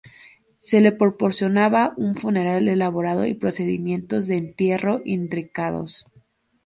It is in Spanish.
Se le proporcionaba un funeral elaborado y procedimientos de entierro intrincados.